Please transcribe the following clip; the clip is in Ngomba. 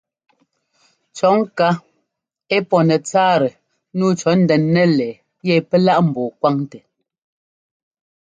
Cɔ̌ ŋká ɛ́ pɔ́ nɛtsáatɛ nǔu cɔ̌ ndɛn nɛlɛɛ yɛ pɛ́ láꞌ ḿbɔɔ kwáŋtɛ.